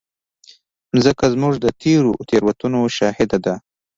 مځکه زموږ د تېرو تېروتنو شاهد ده.